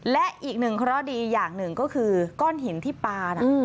และอีกหนึ่งเคราะห์ดีอย่างหนึ่งก็คือก้อนหินที่ปลาน่ะ